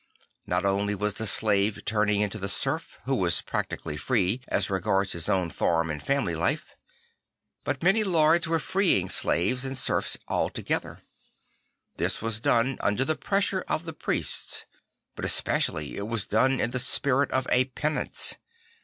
Not only was the slave turning into the serf, who was practically free as regards his own farm and family life, bu t many lords were freeing slaves and serfs al together. This was done under the pressure of the priests; but especially it was done in the spirit of a penance.